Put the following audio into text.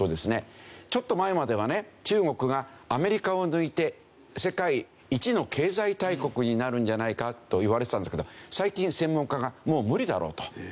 ちょっと前まではね中国がアメリカを抜いて世界一の経済大国になるんじゃないかといわれてたんですけど最近専門家がもう無理だろうと。